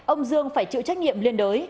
ông dương phải chịu trách nhiệm liên đối